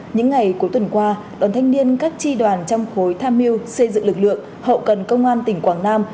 những ngày cuối tuần qua đoàn thanh niên các tri đoàn trong khối tham mưu xây dựng lực lượng hậu cần công an tỉnh quảng nam